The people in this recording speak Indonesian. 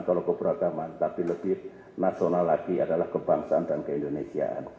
kalau keberagaman tapi lebih nasional lagi adalah kebangsaan dan keindonesiaan